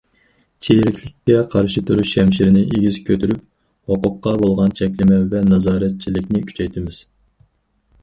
چىرىكلىككە قارشى تۇرۇش شەمشىرىنى ئېگىز كۆتۈرۈپ، ھوقۇققا بولغان چەكلىمە ۋە نازارەتچىلىكنى كۈچەيتىمىز.